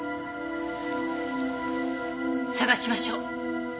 探しましょう。